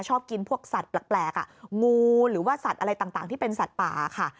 ชอบกินพวกสัตว์แปลกงูหรือว่าสัตว์อะไรต่างที่เป็นสัตว์ป่าค่ะ